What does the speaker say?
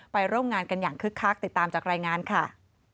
ร่วมงานกันอย่างคึกคักติดตามจากรายงานค่ะ